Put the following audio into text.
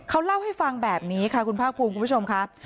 เขาเล่าให้ฟังแบบนี้ค่ะคุณภาคภูมิคุณผู้ชมค่ะ